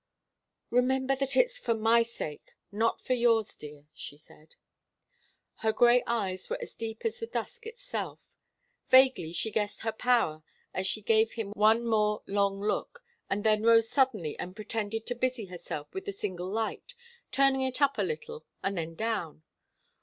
"Remember that it's for my sake not for yours, dear," she said. Her grey eyes were as deep as the dusk itself. Vaguely she guessed her power as she gave him one more long look, and then rose suddenly and pretended to busy herself with the single light, turning it up a little and then down.